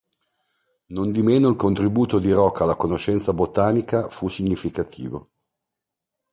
Nondimeno il contributo di Rock alla conoscenza botanica fu significativo.